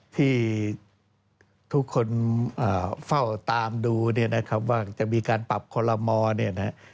ที่ทุกคนเฝ้าตามดูว่าจะมีการปรับคอลโลมอล์